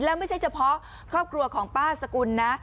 แล้วไม่ใช่เฉพาะครอบครัวของป้าสกุลนะ